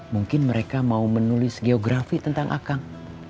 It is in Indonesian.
mungkin mereka mau menulis geografi tentang akang